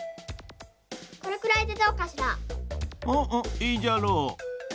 いいじゃろう。